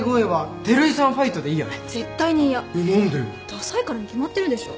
ダサいからに決まってるでしょ。